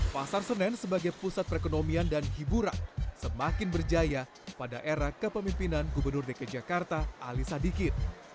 pasar senen sebagai pusat perekonomian dan hiburan semakin berjaya pada era kepemimpinan gubernur dki jakarta ali sadikin